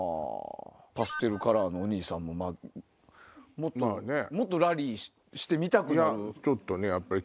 パステルカラーのお兄さんももっとラリーしてみたくなる。